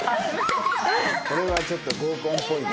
これはちょっと合コンっぽいね。